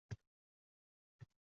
Uni shu orqali xonavayron qilaman